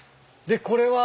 でこれは？